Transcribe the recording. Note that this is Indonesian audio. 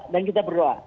dan kita berdoa